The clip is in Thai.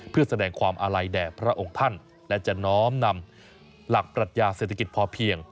เพื่อแสดงความอาลัยแด่พระองค์ท่านและจะน้อมนำหลักปรัชญาเศรษฐกิจพอเพียง